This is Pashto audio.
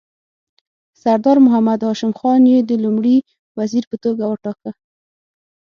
سردار محمد هاشم خان یې د لومړي وزیر په توګه وټاکه.